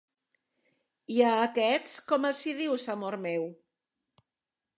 I a aquests com els hi dius, amor meu?